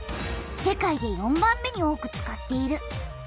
世界で４番目に多く使っている。